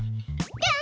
ぴょん！